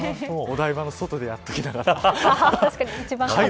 お台場の外でやっておきながら。